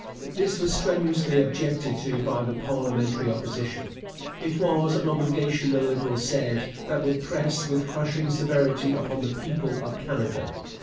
This was strenuously objected to by the parliamentary Opposition. It was an obligation, the Liberals said, that would press with crushing severity upon the people of Canada.